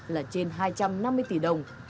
là trên hai trăm năm mươi tỷ đồng